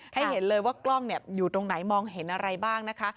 ให้เห็นเลยว่ากล้องอยู่ตรงไหนมองเห็นอะไรบ้างนะคะ